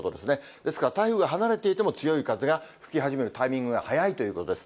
ですから台風が離れていても、強い風が吹き始めるタイミングが早いということです。